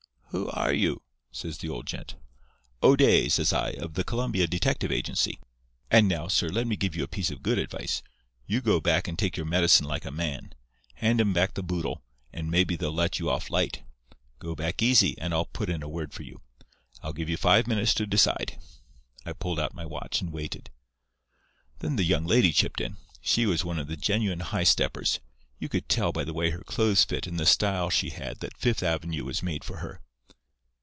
"'Who are you?' says the old gent. "'O'Day,' says I, 'of the Columbia Detective Agency. And now, sir, let me give you a piece of good advice. You go back and take your medicine like a man. Hand 'em back the boodle; and maybe they'll let you off light. Go back easy, and I'll put in a word for you. I'll give you five minutes to decide.' I pulled out my watch and waited. "Then the young lady chipped in. She was one of the genuine high steppers. You could tell by the way her clothes fit and the style she had that Fifth Avenue was made for her.